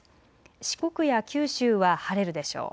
四国や九州は晴れるでしょう。